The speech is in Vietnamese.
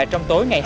trong tối ngày sáng